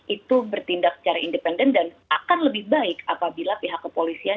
itu bertindak secara independen dan akan lebih baik apabila pihak kepolisian